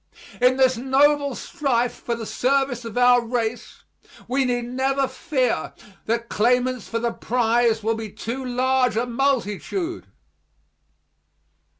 In this noble strife for the service of our race we need never fear that claimants for the prize will be too large a multitude.